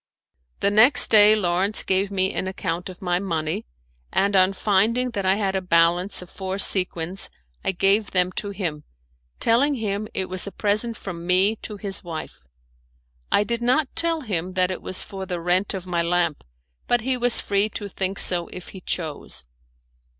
The next day Lawrence gave me an account of my money, and on finding that I had a balance of four sequins I gave them to him, telling him it was a present from me to his wife. I did not tell him that it was for the rent of my lamp, but he was free to think so if he chose.